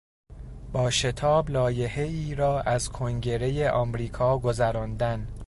با شتاب لایحهای را از کنگرهی آمریکا گذراندن